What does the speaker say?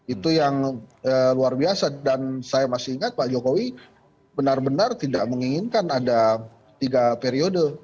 itu yang luar biasa dan saya masih ingat pak jokowi benar benar tidak menginginkan ada tiga periode